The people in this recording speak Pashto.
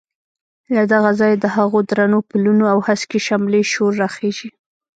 له دغه ځایه د هغو درنو پلونو او هسکې شملې شور راخېژي.